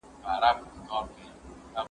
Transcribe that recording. زه به سبا د ښوونځی لپاره امادګي ونيسم؟!